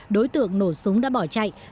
đối tượng nổ súng đã bỏ chạy